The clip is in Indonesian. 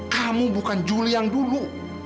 kamu bukan juli yang dulu